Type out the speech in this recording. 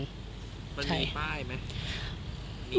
มันมีป้ายมั้ย